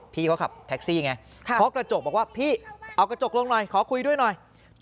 พี่เขาขับแท็กซี่ไงเคาะกระจกบอกว่าพี่เอากระจกลงหน่อยขอคุยด้วยหน่อย